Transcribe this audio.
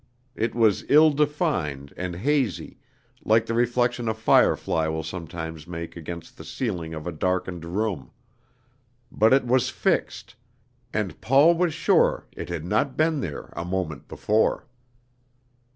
It was ill defined and hazy, like the reflection a firefly will sometimes make against the ceiling of a darkened room; but it was fixed, and Paul was sure it had not been there a moment before.